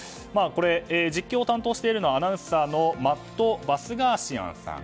実況を担当しているのはアナウンサーのマット・バスガーシアンさん。